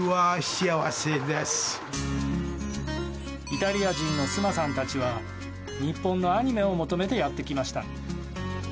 イタリア人のスマさんたちは日本のアニメを求めてやってきました。